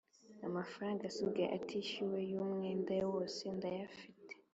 Amafaranga asigaye atishyuwe y’umwenda wose ndayafite